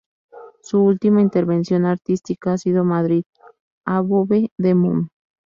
Su última intervención artística ha sido Madrid, above the Moon.